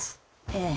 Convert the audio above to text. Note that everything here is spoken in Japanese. ええ？